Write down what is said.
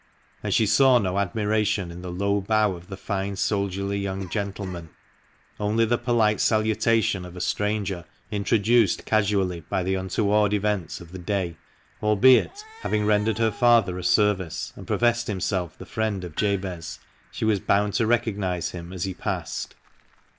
And she saw no admiration in the low bow of the fine soldierly young gentleman— only the polite salutation of a igS THE MANCHESTER MAN. stranger introduced casually by the untoward events of the day, albeit, having rendered her father a service, and professed himself the friend of Jabez, she was bound to recognise him as he passed.